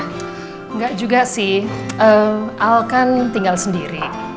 enggak juga sih al kan tinggal sendiri